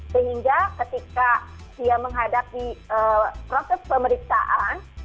sehingga ketika dia menghadapi proses pemeriksaan